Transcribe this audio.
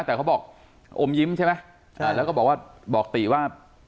แต่เขาบอกอมยิ้มใช่ไหมใช่แล้วก็บอกว่าบอกติว่า